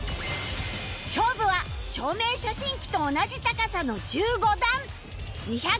勝負は証明写真機と同じ高さの１５段２０５センチへ